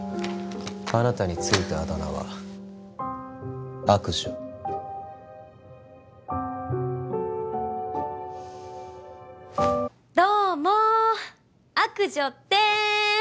あなたについたあだ名は悪女どうも悪女です